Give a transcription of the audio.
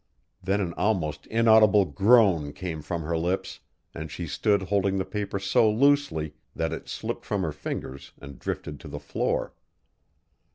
Then an almost inaudible groan came from her lips and she stood holding the paper so loosely that it slipped from her fingers and drifted to the floor.